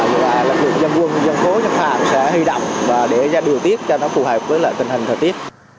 và lực lượng dân quân dân phố dân phạm sẽ hư động và để ra điều tiết cho nó phù hợp với lại tình hình thời tiết